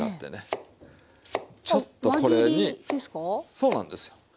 そうなんですよ。